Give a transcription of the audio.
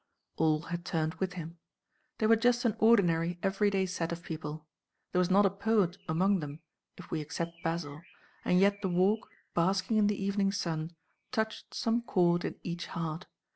'" All had turned with him. They were just an ordinary, every day set of people. There was not a poet among them, if we except Basil, and yet the Walk, basking in the evening sun, touched some chord in each heart.